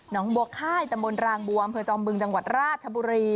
น้องบัวค่ายตำบลรางบวมเผยจอมบึงจังหวัดราชบุรี